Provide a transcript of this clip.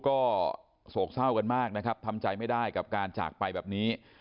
ก็โศกเศร้ากันมากนะครับทำใจไม่ได้กับการจากไปแบบนี้